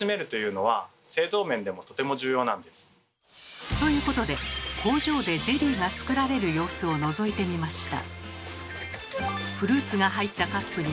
ちなみにということで工場でゼリーが作られる様子をのぞいてみました。